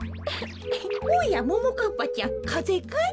おやももかっぱちゃんかぜかい？